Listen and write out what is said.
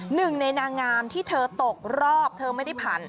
หนึ่งในนางงามที่เธอตกรอบเธอไม่ได้ผ่าน